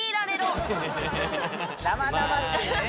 生々しいね